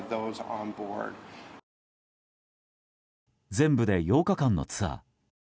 全部で８日間のツアー。